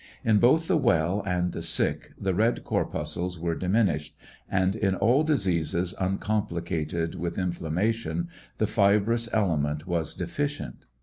In both the well and the sick the red corpuscles were diminished; and in all diseases uncomplicated with inflammation, the fibrous element was deficient.